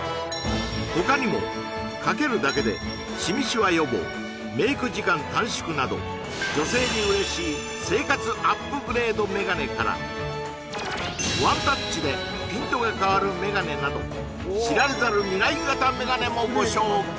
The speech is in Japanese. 他にもかけるだけでシミシワ予防メイク時間短縮など女性に嬉しい生活アップグレードメガネからワンタッチでピントが変わるメガネなど知られざる未来型メガネもご紹介！